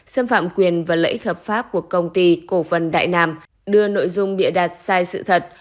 xâm phạm quyền và lợi ích hợp pháp của công ty cổ phần đại nam đưa nội dung bịa đặt sai sự thật